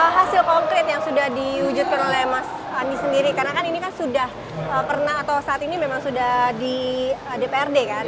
hasil konkret yang sudah diwujudkan oleh mas andi sendiri karena kan ini kan sudah pernah atau saat ini memang sudah di dprd kan